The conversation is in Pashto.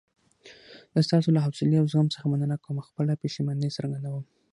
زه ستاسو له حوصلې او زغم څخه مننه کوم او خپله پښیماني څرګندوم.